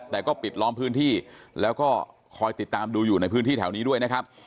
แต่ก็ปิดล้อมพื้นที่แล้วก็คอยติดตามดูอยู่ในพื้นที่แถวนี้ด้วยนะครับ